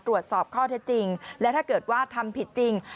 ตรวจสอบข้อเท็จจริงและถ้าเกิดว่าทำผิดจริง